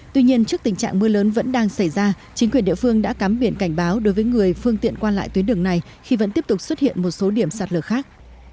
tuy nhiên trước tình trạng mưa lớn vẫn đang xảy ra chính quyền địa phương đã cắm biển cảnh báo đối với người phương tiện qua lại tuyến đường này khi vẫn tiếp tục xuất hiện một số điểm sạt lở khác